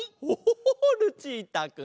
おルチータくん！